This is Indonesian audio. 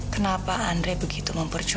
kenapa andre begitu mempercayai